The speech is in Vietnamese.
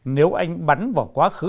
nếu anh bắn vào quá khứ